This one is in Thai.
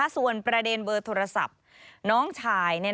ส่วนประเด็นเบอร์โทรศัพท์น้องชาย